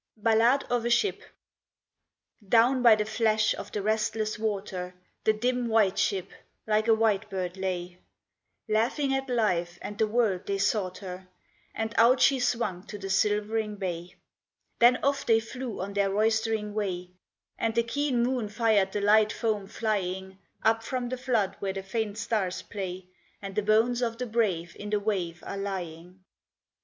Ballade of a Ship Down by the flash of the restless water The dim White Ship like a white bird lay; Laughing at life and the world they sought her, And out she swung to the silvering bay. Then off they flew on their roystering way, And the keen moon fired the light foam flying Up from the flood where the faint stars play, And the bones of the brave in the wave are lying.